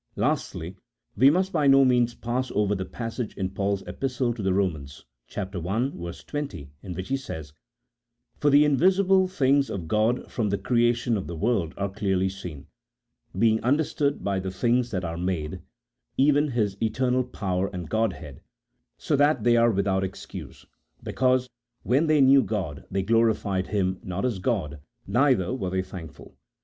Lastly, we must by no means pass over the passage in Paul's Epistle to the Romans, i. 20, in which he says: 41 For the invisible things of God from the creation of the world are clearly seen, being understood by the things that are made, even His eternal power and Godhead ; so that 68 A THEOLOGICO POLITICAL TREATISE. [CHAP. IV. they are without excuse, because, when they knew God, they glorified Him not as God, neither were they thankful."